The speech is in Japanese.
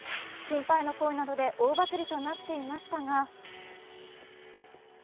心配の声などで大バズりとなっていましたが。